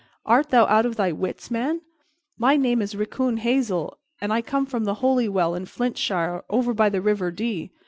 Art thou out of thy wits, man? My name is Riccon Hazel, and I come from Holywell, in Flintshire, over by the River Dee.